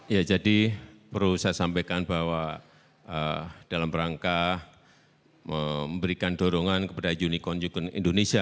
ya jadi perlu saya sampaikan bahwa dalam rangka memberikan dorongan kepada unicorn ucon indonesia